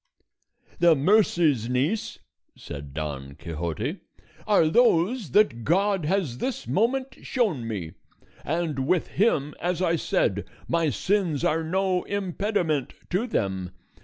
"The mercies, niece," said Don Quixote, "are those that God has this moment shown me, and with him, as I said, my sins are no impediment to them.